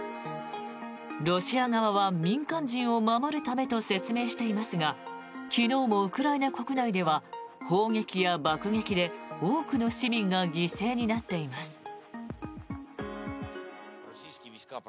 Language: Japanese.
ロシア側は民間人を守るためと説明していますが昨日もウクライナ国内では砲撃や爆撃で多くの市民が犠牲になっています。